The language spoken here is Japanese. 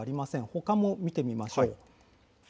ほかの地点も見てみましょう。